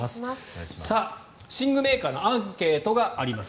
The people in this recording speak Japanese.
寝具メーカーのアンケートがあります。